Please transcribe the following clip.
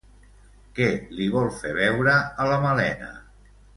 Què li vol fer veure a la Malena?